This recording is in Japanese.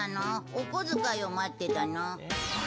お小遣いを待ってたの？